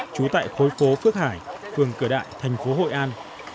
trú tại khối phố phước hải phường cửa đại thành phố hội an